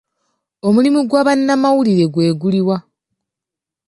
Omulimu gwa bannamawulire gwe guli wa?